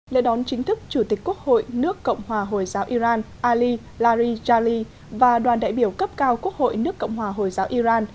lễ đón chính thức chủ tịch quốc hội nước cộng hòa hồi giáo iran ali lari jali và đoàn đại biểu cấp cao quốc hội nước cộng hòa hồi giáo iran